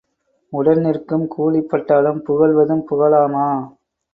உடன் நிற்கும் கூலிப் பட்டாளம் புகழ்வதும் புகழாமா?